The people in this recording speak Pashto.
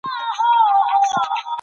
اداره د خلکو پر وړاندې مسووله ده.